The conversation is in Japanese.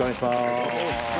大吉）お願いします。